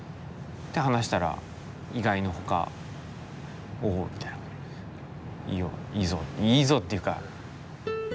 で話したら意外のほか「おお」みたいな。いいよいいぞいいぞっていうか。